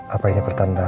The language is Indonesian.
apa ini pertanda aku